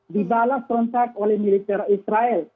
dibalas serontak oleh militer israel